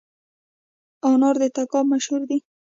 انار د تګاب مشهور دي